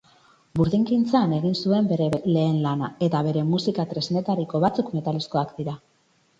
Burdingintzan egin zuen bere lehen lana, eta bere musika-tresnetariko batzuk metalezkoak dira.